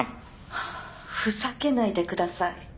ハァふざけないでください。